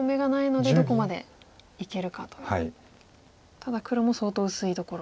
ただ黒も相当薄いところ。